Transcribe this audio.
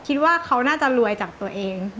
คิดว่าเขาน่าจะรวยจากตัวเอง